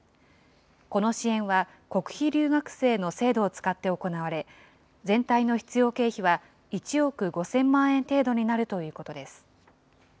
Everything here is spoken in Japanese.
この支援は、国費留学生の制度を使って行われ、全体の必要経費は１億５０００万円程度になるということです。